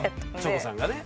チョコさんがね？